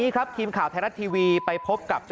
ขอบคุณครับ